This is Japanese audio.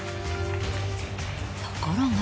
ところが。